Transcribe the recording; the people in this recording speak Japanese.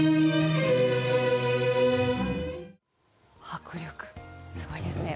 迫力、すごいですね。